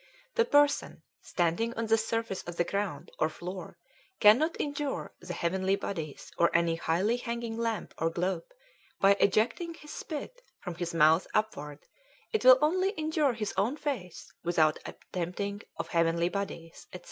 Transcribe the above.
"The person standing on the surface of the ground or floor Cannot injure the heavenly bodies or any highly hanging Lamp or glope by ejecting his spit from his mouth upward it will only injure his own face without attempting of Heavenly bodies &c.